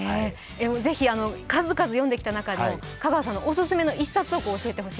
ぜひ数々読んできた中で香川さんのお薦めの一冊を教えてください。